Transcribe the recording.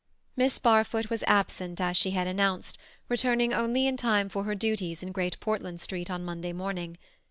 Miss Barfoot was absent as she had announced, returning only in time for her duties in Great Portland Street on Monday morning.